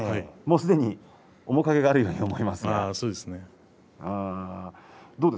すでに面影があるように思えます。